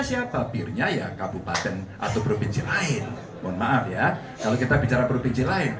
siapa birnya ya kabupaten atau provinsi lain mohon maaf ya kalau kita bicara provinsi lain